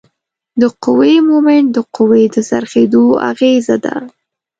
د قوې مومنټ د قوې د څرخیدو اغیزه ده.